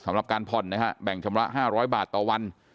สำหรับการผ่อนนะฮะแบ่งชำระ๕๐๐บาทต่อวัน